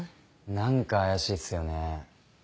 何か怪しいっすよね。